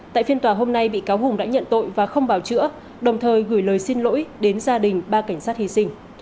tại phiên tòa hôm nay bị cáo hùng đã nhận tội và không bảo chữa đồng thời gửi lời xin lỗi đến gia đình ba cảnh sát hy sinh